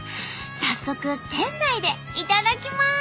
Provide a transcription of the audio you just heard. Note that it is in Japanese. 早速店内でいただきます！